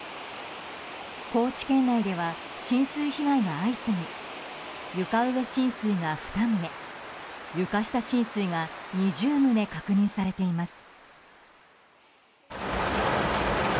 高知県内では浸水被害が相次ぎ床上浸水が２棟床下浸水が２０棟確認されています。